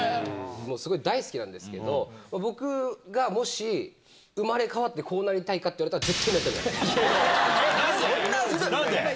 すごい大好きなんですけど、僕がもし生まれ変わってこうなりたいかっていわれたら、絶対なりそんな。